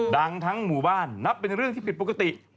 ดังทั้งหมู่บ้านนับเป็นเรื่องที่ผิดปกติ